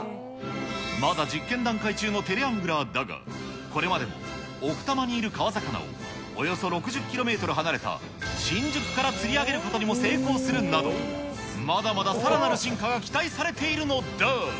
まだ実験段階中のテレアングラーだが、これまでも奥多摩にいる川魚を、およそ６０キロメートル離れた、新宿から釣り上げることにも成功するなど、まだまださらなる進化が期待されているのだ。